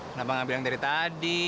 kenapa gak bilang dari tadi